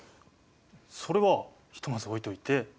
それはひとまず置いといて。